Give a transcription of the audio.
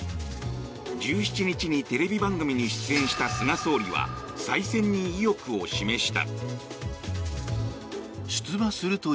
１７日にテレビ番組に出演した菅総理は再選に意欲を示した。